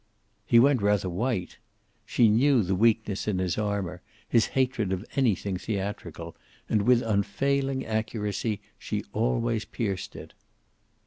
He went rather white. She knew the weakness in his armor, his hatred of anything theatrical, and with unfailing accuracy she always pierced it.